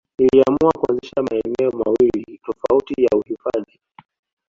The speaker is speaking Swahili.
Iliamua kuanzisha maeneo mawili tofauti ya uhifadhi